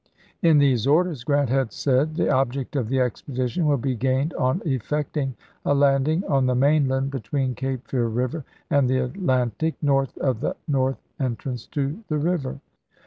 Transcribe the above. In these orders Grant had said :" The object of the expedition will be gained on effecting a landing on the mainland between Cape Fear River and the Atlantic, north of the north entrance to the river.